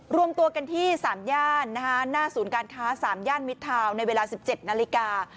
รวมตัวกันที่สามย่านนะคะหน้าศูนย์การค้าสามย่านมิดทาวน์ในเวลาสิบเจ็ดนาฬิกา